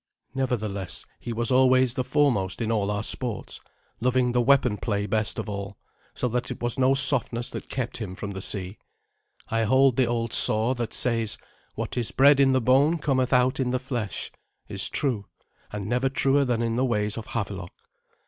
Nevertheless he was always the foremost in all our sports, loving the weapon play best of all, so that it was no softness that kept him from the sea. I hold that the old saw that says, "What is bred in the bone cometh out in the flesh," is true, and never truer than in the ways of Havelok.